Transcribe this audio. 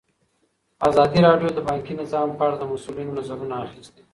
ازادي راډیو د بانکي نظام په اړه د مسؤلینو نظرونه اخیستي.